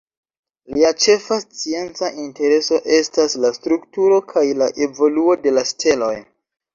Lia ĉefa scienca intereso estas la strukturo kaj la evoluo de la steloj.